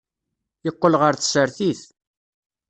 Yeqqel ɣer tsertit.